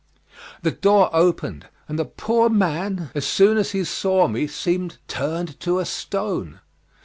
The door opened; and the poor man as soon as he saw me seemed turned to a stone.